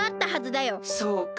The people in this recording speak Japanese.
そうか。